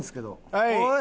はい。